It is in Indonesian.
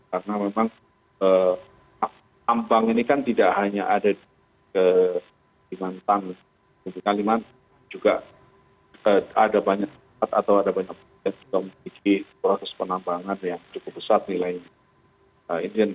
karena memang tambang ini kan tidak hanya ada di mantan di kalimantan juga ada banyak yang mempunyai proses penambangan yang cukup besar nilainya